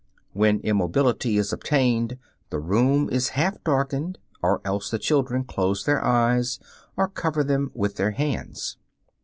When immobility is obtained, the room is half darkened, or else the children close their eyes, or cover them with their hands.